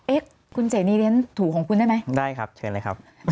เอ๊ะคุณเจนีเรียนถูของคุณได้ไหมได้ครับเชิญเลยครับ